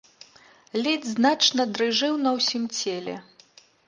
Ледзь значна дрыжэў на ўсім целе.